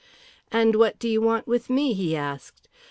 "And what do you want with me?" he asked.